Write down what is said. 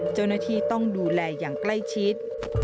เจ้าหน้าที่ต้องดูแลอย่างใกล้ชิด